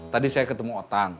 tadi saya ketemu otang